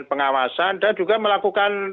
pengawasan dan juga melakukan